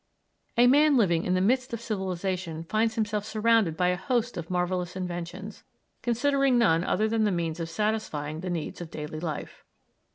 A man living in the midst of civilisation finds himself surrounded by a host of marvellous inventions, considering none other than the means of satisfying the needs of daily life.